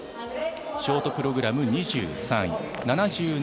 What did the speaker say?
ショートプログラム２３位。